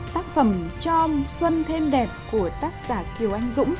tác phẩm cho xuân thêm đẹp của tác giả kiều anh dũng